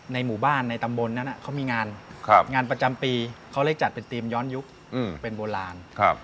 ในหมู่บ้านในตำบลนั้นเขามีงานงานประจำปีเขาเลยจัดเป็นธีมย้อนยุคเป็นโบราณ